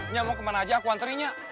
nya mau kemana aja aku anterin nya